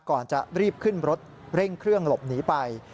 ก่อนจะรีบขึ้นรถเร่งเครื่องหลบหนีไป